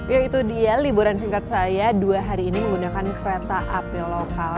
ya itu dia liburan singkat saya dua hari ini menggunakan kereta api lokal